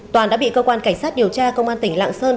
toàn đã bị cơ quan cảnh sát điều tra công an tỉnh lạng sơn